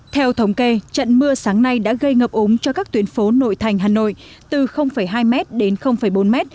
theo thống kê trận mưa sáng nay đã gây ngập ống cho các tuyến phố nội thành hà nội từ hai m đến bốn m